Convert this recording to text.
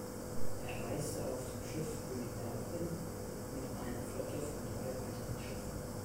Er reiste auf dem Schiff "König David" mit einer Flotte von drei weiteren Schiffen.